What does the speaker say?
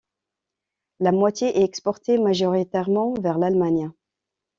La moitié est exportée, majoritairement vers l'Allemagne.